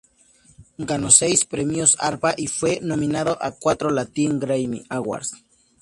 Ganó seis Premios Arpa, y fue nominado a cuatro Latin Grammy Awards.